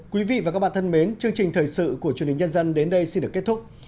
quý vị và các bạn thân mến chương trình thời sự của truyền hình nhân dân đến đây xin được kết thúc